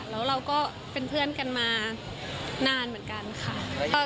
แล้วเราก็เป็นเพื่อนกันมานานเหมือนกันค่ะ